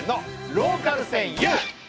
ローカル線ＹＯＵ。